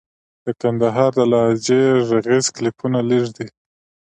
د کندهار د لهجې ږغيز کليپونه لږ دي.